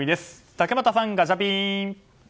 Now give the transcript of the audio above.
竹俣さん、ガチャピン。